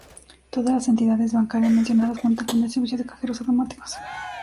Todas las entidades bancaria mencionadas cuentan con el servicio de cajeros automáticos.